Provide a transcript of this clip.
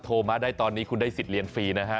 โทรมาได้ตอนนี้คุณได้สิทธิเรียนฟรีนะฮะ